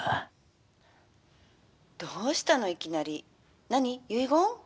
「どうしたのいきなり。何遺言？」。